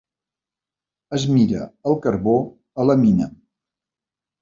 Es mira el carbó a la mina.